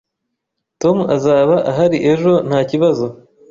Tom azaba ahari ejo nta kibazo